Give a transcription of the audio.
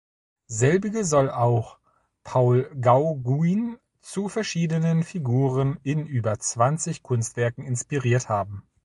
Selbige soll auch Paul Gauguin zu verschiedenen Figuren in über zwanzig Kunstwerken inspiriert haben.